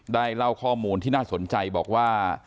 ได้เล่าข้อมูลที่น่าสนใจบอกว่า